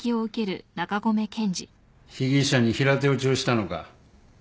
被疑者に平手打ちをしたのか？